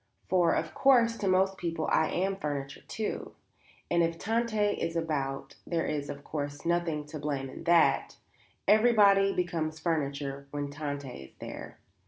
"For, of course, to most people I am furniture, too; and if Tante is about, there is, of course, nothing to blame in that; everybody becomes furniture when Tante is there."